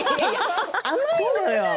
甘いのよ。